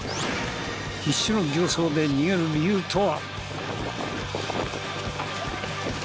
必死の形相で逃げる理由とは？